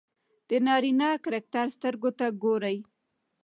د نارينه کرکټر سترګو ته ګوري